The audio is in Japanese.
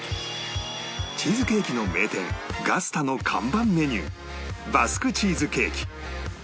チーズケーキの名店ガスタの看板メニューバスクチーズケーキ